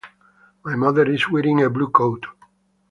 My mother is wearing a blue coat.